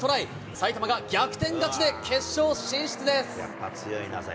埼玉が逆転勝ちで決勝進出です。